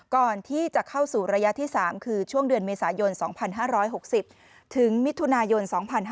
ก่อนที่จะเข้าสู่ระยะที่๓คือช่วงเดือนเมษายน๒๕๖๐ถึงมิถุนายน๒๕๕๙